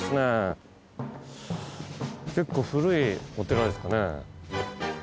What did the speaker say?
結構古いお寺ですかね。